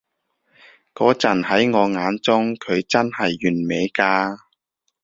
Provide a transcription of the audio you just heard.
嗰陣喺我眼中，佢真係完美㗎